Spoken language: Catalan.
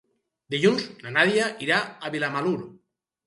Dilluns na Nàdia irà a Vilamalur.